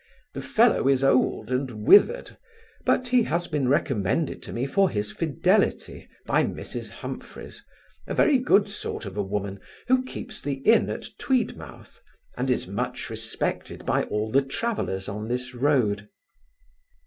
The fellow is old and withered; but he has been recommended to me for his fidelity, by Mrs Humphreys, a very good sort of a woman, who keeps the inn at Tweedmouth, and is much respected by all the travellers on this road.